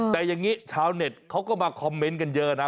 แต่อย่างนี้ชาวเน็ตเขาก็มาคอมเมนต์กันเยอะนะ